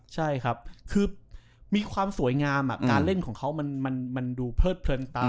ใช่ครับคือมีความสวยงามการเล่นของเขามันดูเพลิดเพลินตา